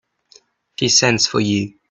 She sends for you.